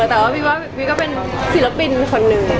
แต่ว่าพี่ว่าพี่ก็เป็นศิลปินคนหนึ่ง